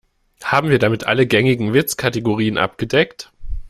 Haben wir damit alle gängigen Witzkategorien abgedeckt?